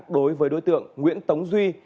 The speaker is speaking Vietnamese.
đối với đối tượng nguyễn tống duy